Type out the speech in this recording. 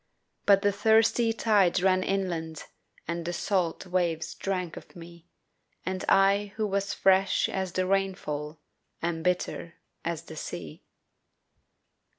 But the thirsty tide ran inland, And the salt waves drank of me, And I who was fresh as the rainfall Am bitter as the sea.